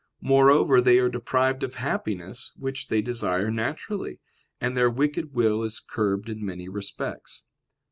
Moreover, they are deprived of happiness, which they desire naturally; and their wicked will is curbed in many respects.